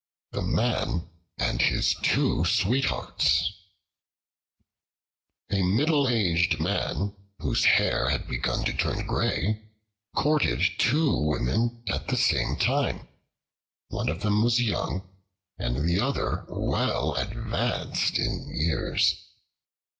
The Man and His Two Sweethearts A MIDDLE AGED MAN, whose hair had begun to turn gray, courted two women at the same time. One of them was young, and the other well advanced in years.